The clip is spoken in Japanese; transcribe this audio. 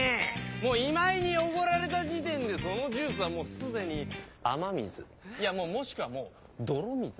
もう今井におごられた時点でそのジュースはもう既に雨水いやもうもしくはもう泥水。